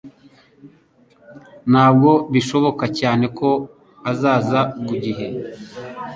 Ntabwo bishoboka cyane ko azaza ku gihe